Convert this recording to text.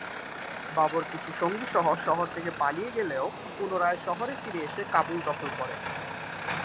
বাবর কিছু সঙ্গী সহ শহর থেকে পালিয়ে গেলেও পুনরায় শহরে ফিরে এসে কাবুল দখল করেন।